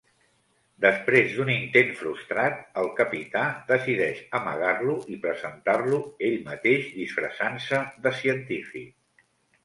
Després d'un intent frustrat, el Capità decideix amagar-lo i presentar-lo ell mateix disfressant-se de científic.